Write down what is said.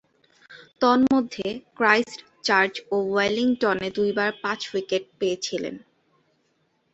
তন্মধ্যে, ক্রাইস্টচার্চ ও ওয়েলিংটনে দুইবার পাঁচ-উইকেট পেয়েছিলেন।